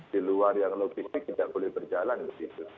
di luar yang logistik tidak boleh berjalan begitu